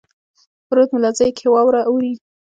په رود ملازۍ کښي واوره اوري.